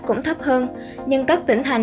cũng thấp hơn nhưng các tỉnh thành